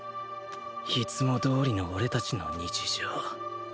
いつもどおりの俺たちの日常